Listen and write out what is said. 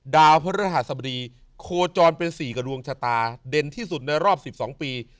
ดาวพระฤหัสบดีโคจรเป็น๔กับดวงชะตาเด่นที่สุดในรอบ๑๒ปี